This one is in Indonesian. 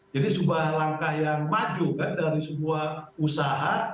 jadi sebuah langkah yang maju kan dari sebuah usaha